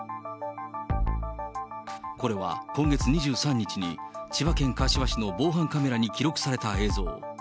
これは今月２３日に、千葉県柏市の防犯カメラに記録された映像。